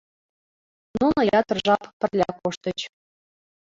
Нуно ятыр жап пырля коштыч.